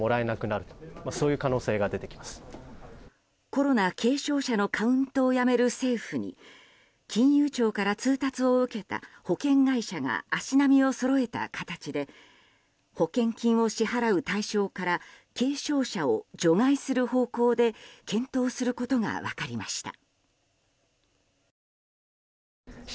コロナ軽症者のカウントをやめる政府に金融庁から通達を受けた保険会社が足並みをそろえた形で保険金を支払う対象から軽症者を除外する方向で検討することが分かりました。